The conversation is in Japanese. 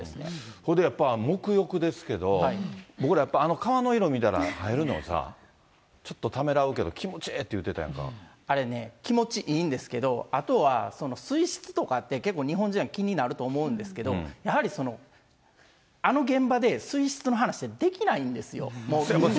それでやっぱり沐浴ですけど、僕らやっぱり川の色見たら、入るのはさ、ちょっとためらうけど、あれね、気持ちいいんですけど、あとは水質とかって、日本人は気になると思うんですけど、やはりあの現場で水質の話はできないんですよ。